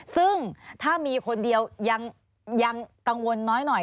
ซึ่งถ้ามีคนเดียวยังกังวลน้อยหน่อย